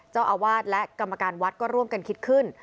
เจ้าอาวาสและกรรมการวัดก็ร่วมกันคิดขึ้น